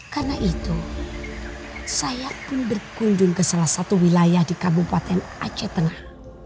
karena itu saya pun berkundung ke salah satu wilayah di kabupaten aceh tengah